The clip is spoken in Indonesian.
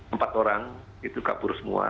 empat orang itu kabur semua